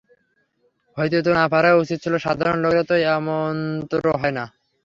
হইতে তো না পারাই উচিত ছিল–সাধারণ লোকের তো এমনতরো হয় না।